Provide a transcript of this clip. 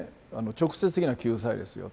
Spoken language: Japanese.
直接的な救済ですよ。